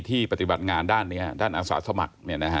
ที่ปฏิบัติงานด้านอาสาสมัคร